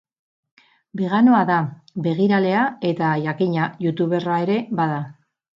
Beganoa da, begiralea, eta, jakina, youtuberra ere bada.